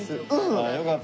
ああよかった。